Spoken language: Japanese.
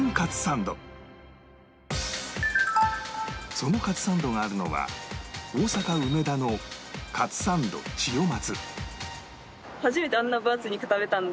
そのかつサンドがあるのは大阪梅田のかつサンドちよ松